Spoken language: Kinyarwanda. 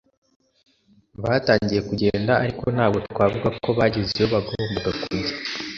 Batangiye kugenda ariko ntabwo twavuga ko bageze iyo bagomba kujya